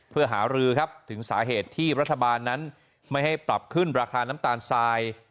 เพื่อหารือครับถึงสาเหตุที่รัฐบาลนั้นไม่ให้ปรับขึ้นราคาน้ำตาลทราย